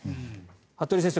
服部先生